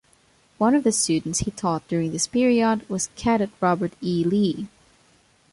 One of the students he taught during this period was Cadet Robert E. Lee.